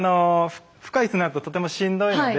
深いいすになるととてもしんどいので。